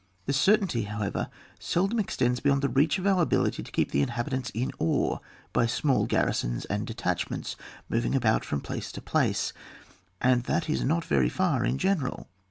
This certainty, however, seldom extends beyond the reach of our ability to keep the inhabitants in awe by small garrisons, and detachments moving about from place to place, and that is not very far in general.